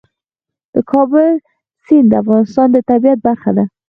د کابل سیند د افغانستان د طبیعت برخه ده.